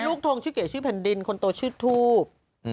ทงชื่อเก๋ชื่อแผ่นดินคนโตชื่อทูบ